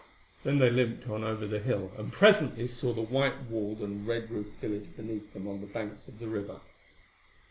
Then they limped on over the hill, and presently saw the white walled and red roofed village beneath them on the banks of the river.